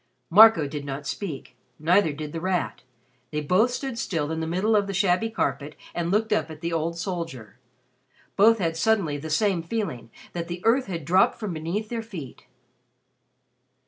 Marco did not speak; neither did The Rat. They both stood still in the middle of the shabby carpet and looked up at the old soldier. Both had suddenly the same feeling that the earth had dropped from beneath their feet.